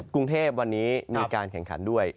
กรุงเทพวันนี้มีการแข่งขันด้วย